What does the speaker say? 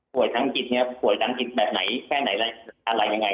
ทั้งจิตเนี่ยป่วยทางจิตแบบไหนแค่ไหนอะไรยังไง